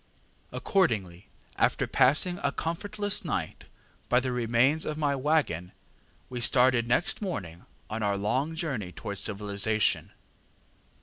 ŌĆ£Accordingly, after passing a comfortless night by the remains of my waggon, we started next morning on our long journey towards civilization.